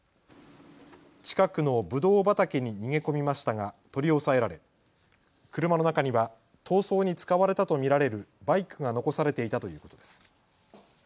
近くのぶどう畑に逃げ込みましたが取り押さえられ車の中には逃走に使われたと見られるバイクが残されていたということです。